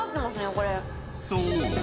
［そう！